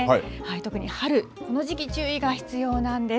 特に春、この時期注意が必要なんです。